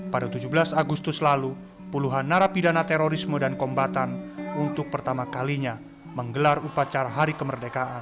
pada tujuh belas agustus lalu puluhan narapidana terorisme dan kombatan untuk pertama kalinya menggelar upacara hari kemerdekaan